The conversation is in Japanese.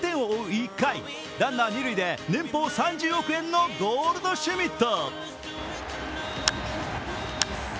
１回、ランナー、二塁で年俸３０億円のゴールドシュミット。